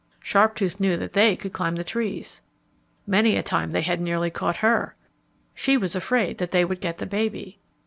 Sharptooth knew that they could climb the trees. Many a time they had nearly caught her. She was afraid that they would get the baby.